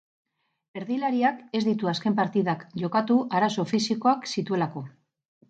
Erdilariak ez ditu azken partidak jokatu arazo fisikoak zituelako.